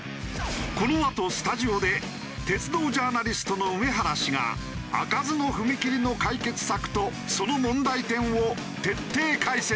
このあとスタジオで鉄道ジャーナリストの梅原氏が開かずの踏切の解決策とその問題点を徹底解説。